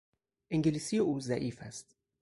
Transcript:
انگلیسی او ضعیف است.